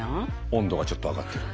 温度がちょっと上がってる。